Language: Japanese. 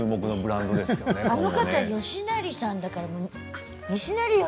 あの方、美也さんだから。